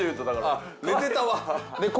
あっ寝てたわ。